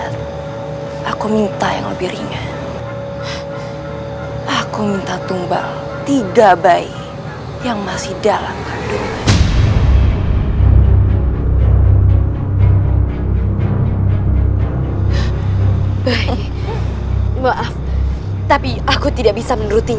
jangan sampai kabur